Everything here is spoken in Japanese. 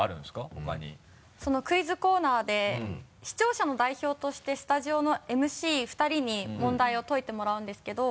他にそのクイズコーナーで視聴者の代表としてスタジオのＭＣ２人に問題を解いてもらうんですけど。